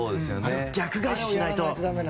逆返ししないと。